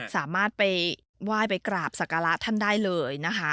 สามารถไปไหว้ไปกราบศักระท่านได้เลยนะคะ